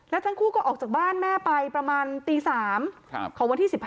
แล้วทั้งคู่ก็ออกจากบ้านแม่ไปประมาณตี๓ของวันที่๑๕